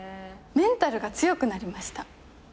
メンタルが強くなりました。